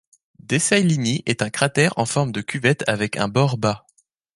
Deseilligny est un cratère en forme de cuvette avec un bord bas.